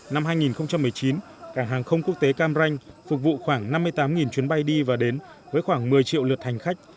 năm hai nghìn một mươi chín cảng hàng không quốc tế cam ranh phục vụ khoảng năm mươi tám chuyến bay đi và đến với khoảng một mươi triệu lượt hành khách